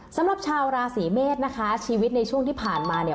สำหรับชาวราศีเมษนะคะชีวิตในช่วงที่ผ่านมาเนี่ย